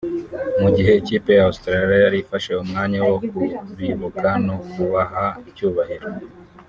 Mugihe ikipe ya Australian yari ifashe umwanya wo ku bibuka no kubaha icyubahiro